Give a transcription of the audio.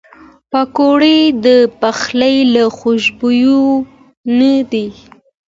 پکورې د پخلي له خوشبویو نه دي